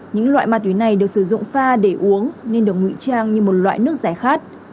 những loại ma túy này được sử dụng pha để uống nên được ngụy trang như một loại nước giải khát